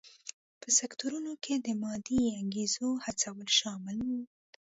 په سکتورونو کې د مادي انګېزو هڅول شامل و.